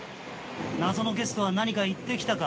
「謎のゲストは何か言ってきたか？」